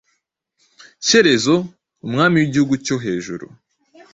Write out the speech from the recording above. Shyerezo, Umwami w'igihugu cyo Hejuru,